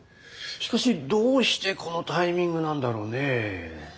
しかしどうしてこのタイミングなんだろうね。